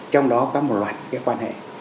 trong đó có một loạt cái quan hệ